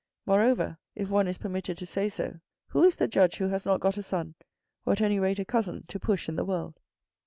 Moreover, if one is permitted to say so, who is the judge who has not got a son, or at any rate a cousin to push in the world